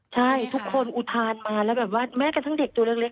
ใช่ทุกคนอุทานมาแล้วแบบว่าแม้กระทั่งเด็กตัวเล็ก